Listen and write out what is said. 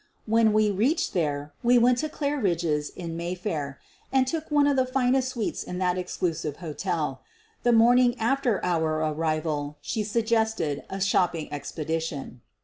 When we reached there we went to Claridge's, in Mayfair, and took one of the finest suites in that exclusive hotel. The morning after our arrival she suggested a shopping expedition.